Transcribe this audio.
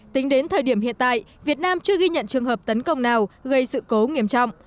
tính đến thời điểm hiện tại việt nam chưa ghi nhận trường hợp tấn công nào gây sự cố nghiêm trọng